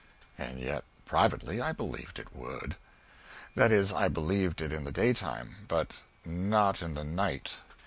And yet privately I believed it would. That is, I believed it in the daytime; but not in the night.